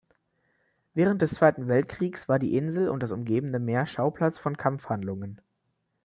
Während des Zweiten Weltkriegs war die Insel und das umgebende Meer Schauplatz von Kampfhandlungen.